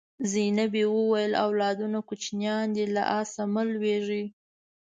زینبې وویل اولادونه کوچنیان دي له آسه مه لوېږئ.